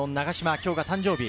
今日は誕生日。